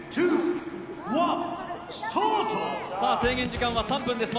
制限時間は３分です。